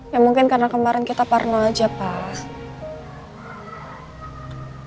ya mungkin karena kemarin kita parno aja pas